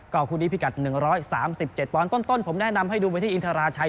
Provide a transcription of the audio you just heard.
คู่นี้พิกัด๑๓๗ปอนด์ต้นผมแนะนำให้ดูไปที่อินทราชัย